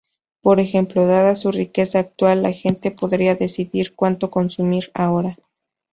Por ejemplo, dada su riqueza actual, la gente podría decidir cuánto consumir ahora.